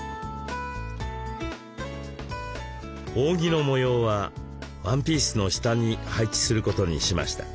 扇の模様はワンピースの下に配置することにしました。